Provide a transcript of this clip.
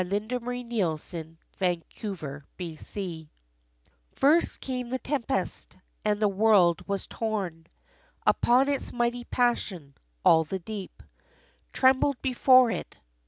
XVII Tempest and Calm First came the tempest, and the world was torn Upon its mighty passion all the deep Trembled before it.